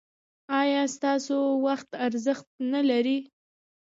ایا ستاسو وخت ارزښت نلري؟